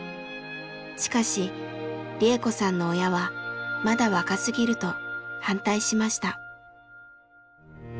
しかし利恵子さんの親はまだ若すぎると反対しました。